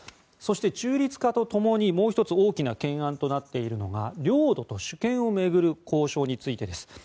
そして、中立化と共にもう１つ大きな懸案となっているのが領土と主権を巡る交渉についてです。